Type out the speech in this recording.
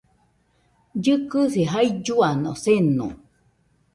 Llɨkɨsi jailluano seno